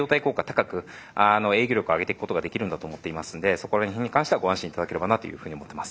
高く営業力を上げてくことができるんだと思っていますんでそこら辺に関してはご安心頂ければなというふうに思ってます。